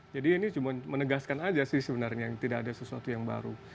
jadi ini cuma menegaskan aja sih sebenarnya tidak ada sesuatu yang baru